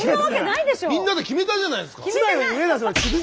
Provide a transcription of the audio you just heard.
みんなで決めたじゃないですか！